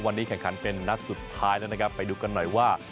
วันนี้แข่งขันเป็นนัดสุดท้ายแล้วนะครับไปดูกันหน่อยว่า